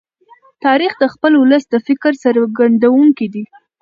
تاریخ د خپل ولس د فکر څرګندونکی دی.